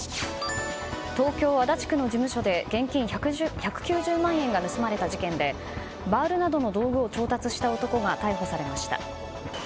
東京・足立区の事務所で現金１９０万円が盗まれた事件でバールなどの道具を調達した男が逮捕されました。